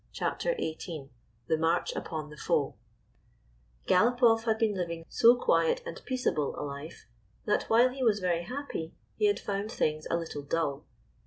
206 CHAPTER XVIII THE MARCH UPON THE FOE G ALOPOFF had been living so quiet and peaceable a life that, while he was very happy, he had found things a little dull.